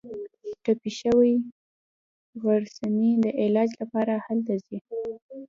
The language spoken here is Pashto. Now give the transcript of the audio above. ټپي شوې غرڅنۍ د علاج لپاره هلته ځي.